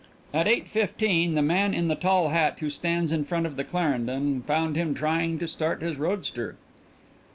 At eight fifteen the man in the tall hat who stands in front of the Clarendon found him trying to start his roadster.